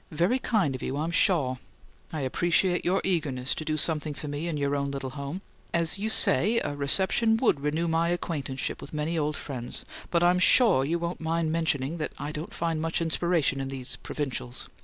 Very kind of you, I'm shaw. I appreciate your eagerness to do something for me in your own little home. As you say, a reception WOULD renew my acquaintanceship with many old friends but I'm shaw you won't mind my mentioning that I don't find much inspiration in these provincials.